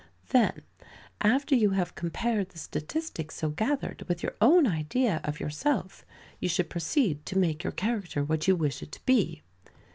Then, after you have compared the statistics so gathered with your own idea of yourself, you should proceed to make your character what you wish it to be.